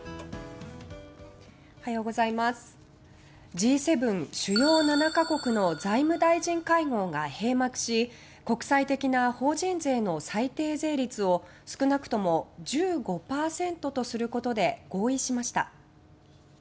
Ｇ７・主要７か国の財務大臣会合が閉幕し国際的な法人税の最低税率を少なくとも１５％とすることで合意しました。